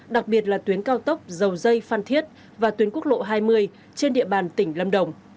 đặc biệt là tuyến cao tốc dầu dây phan thiết và tuyến quốc lộ hai mươi trên địa bàn tỉnh lâm đồng